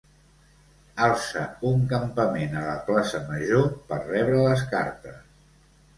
Alça un campament a la Plaça Major per rebre les cartes.